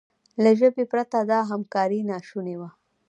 له ژبې پرته دا همکاري ناشونې وه.